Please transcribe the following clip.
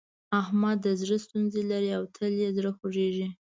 احمد د زړه ستونزې لري او تل يې زړه خوږېږي.